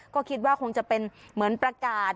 ก็คิดว่าคงจะเป็นเหมือนประกาศ